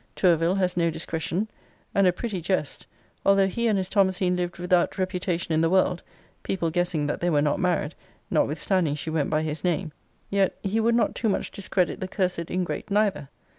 Tourville has no discretion: and, a pretty jest! although he and his Thomasine lived without reputation in the world, (people guessing that they were not married, notwithstanding she went by his name,) yet 'he would not too much discredit the cursed ingrate neither!'